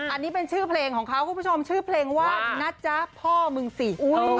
อันนี้เป็นชื่อเพลงของเขาคุณผู้ชมชื่อเพลงว่านะจ๊ะพ่อมึงสิ